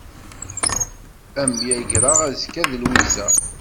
Ad myagreɣ azekka d Lwiza.